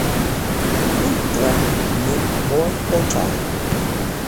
"Putra" meant boy or child.